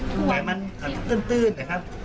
ใช่ครับแต่มันตื่นนะครับ